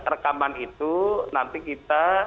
rekaman itu nanti kita